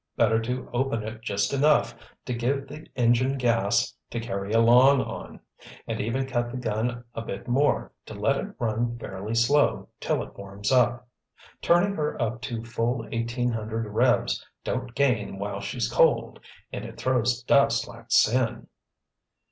Better to open it just enough to give the engine gas to carry along on—and even cut the gun a bit more to let it run fairly slow till it warms up. Turning her up to full eighteen hundred revs don't gain while she's cold, and it throws dust like sin!"